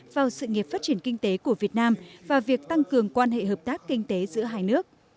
vào sự nghiệp phát triển kinh tế của việt nam và việc tăng cường quan hệ hợp tác kinh tế giữa hai nước